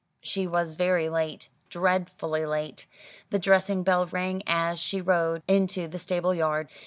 She was very late dreadfully late the dressing bell rang as she rode into the stable yard.